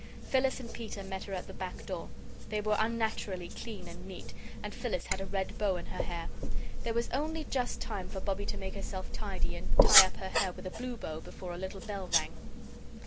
Phyllis and Peter met her at the back door. They were unnaturally clean and neat, and Phyllis had a red bow in her hair. There was only just time for Bobbie to make herself tidy and tie up her hair with a blue bow before a little bell rang.